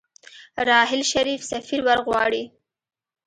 راحیل شريف سفير ورغواړي.